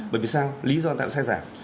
bởi vì sao lý do tại sao giảm